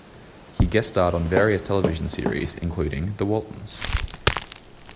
He guest-starred on various television series, including "The Waltons".